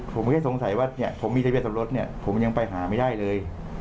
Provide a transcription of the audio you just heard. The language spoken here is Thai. ผมแค่สงสัยว่าผมมีทะเบียร์สำรสผมยังไปหาไม่ได้เลย